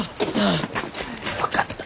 よかった！